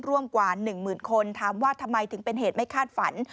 กว่า๑หมื่นคนถามว่าทำไมถึงเป็นเหตุไม่คาดฝัน